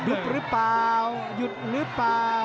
หยุดหรือเปล่า